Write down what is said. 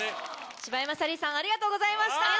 柴山サリーさんありがとうございました。